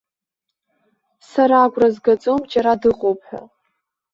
Сара агәра згаӡом џьара дыҟоуп ҳәа.